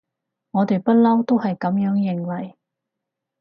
我哋不溜都係噉樣認為